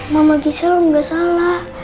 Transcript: mama gisel enggak salah